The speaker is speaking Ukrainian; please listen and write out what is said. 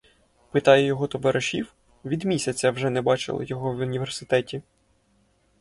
Питаю його товаришів: від місяця вже не бачили його в університеті.